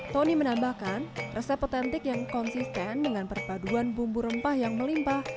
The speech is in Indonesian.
tony menambahkan resep otentik yang konsisten dengan perpaduan bumbu rempah yang melimpah